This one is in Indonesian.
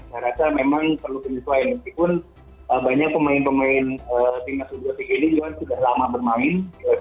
saya rasa memang perlu penyesuaian meskipun banyak pemain pemain timnas udhati gading jangan sudah lama bermain